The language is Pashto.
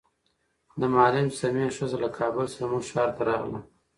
د معلم سمیع ښځه له کابل څخه زموږ ښار ته راغله.